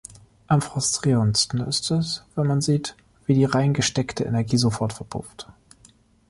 Am frustrierendsten ist es, wenn man sieht, wie die reingesteckte Energie sofort verpufft.